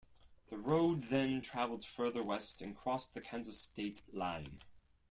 The road then traveled further west and crossed the Kansas state line.